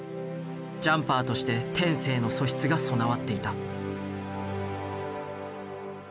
ジャンパーとして天性の素質が備わっていた。